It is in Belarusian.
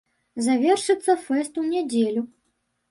Завершыцца фэст у нядзелю.